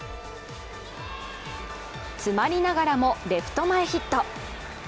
詰まりながらもレフト前ヒット。